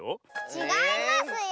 ちがいますよ！